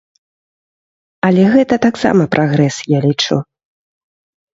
Але гэта таксама прагрэс, я лічу.